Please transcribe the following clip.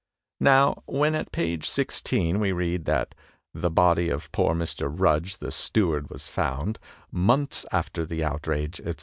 Now, when, at page i6, we read that "the body of poor Mr. Rudge, the steward, was found" months after the outrage, etc.